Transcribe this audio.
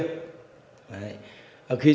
khi sang lào campuchia thì